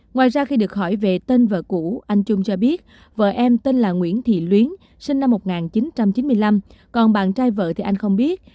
ngoài ra khi được hỏi về tên vợ cũ anh trung cho biết vợ em tên là nguyễn thị luyến sinh năm một nghìn chín trăm chín mươi năm còn bạn trai vợ thì anh không biết